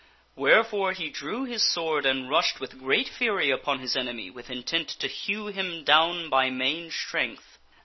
Wherefore he drew his sword and rushed with great fury upon his enemy with intent to hew him down by main strength.